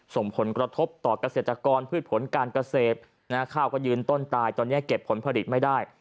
ส่งผลกระทบต่อเกษตรกรพืชผลการเกษตรข้าวก็ยืนต้นตายตอนนี้เก็บผลผลิตไม่ได้